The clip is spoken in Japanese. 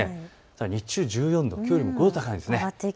日中１４度、きょうより５度高いんです。